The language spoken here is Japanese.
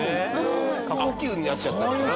過呼吸になっちゃったのかな？